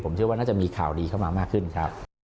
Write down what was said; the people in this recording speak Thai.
เชื่อว่าน่าจะมีข่าวดีเข้ามามากขึ้นครับ